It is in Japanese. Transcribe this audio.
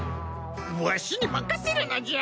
わしに任せるのじゃ。